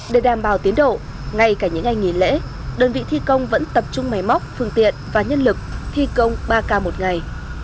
để đảm bảo tiến độ ngay cả những ngày nghỉ lễ đơn vị thi công vẫn tập trung máy móc phương tiện và nhân lực thi công ba k một ngày